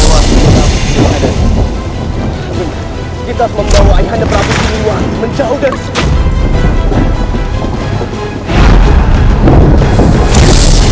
dan kita akan membawa ayahanda prabu siliwangi menjauh dari sini